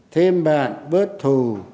thêm bạn bớt thù